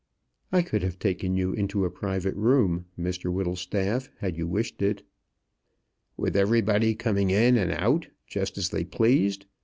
"I could have taken you into a private room, Mr Whittlestaff, had you wished it." "With everybody coming in and out, just as they pleased.